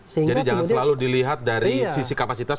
jadi jangan selalu dilihat dari sisi kapasitas